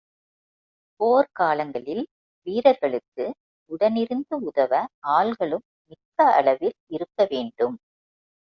போர்க் காலங்களில் வீரர்களுக்கு உடன் இருந்து உதவ ஆள்களும் மிக்க அளவில் இருக்க வேண்டும்.